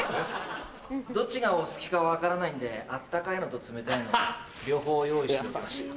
どっちがお好きか分からないんで温かいのと冷たいの両方用意してみました。